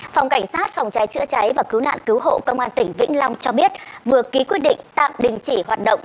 phòng cảnh sát phòng cháy chữa cháy và cứu nạn cứu hộ công an tỉnh vĩnh long cho biết vừa ký quyết định tạm đình chỉ hoạt động